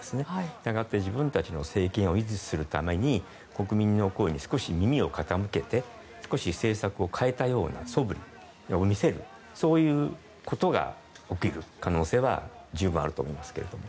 したがって自分たちの政権を維持するために国民の声に少し耳を傾けて政策を変えたようなそぶりを見せるということが起きる可能性は十分あると思いますけども。